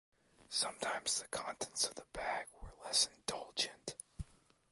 Sometimes the contents of the bag were less indulgent.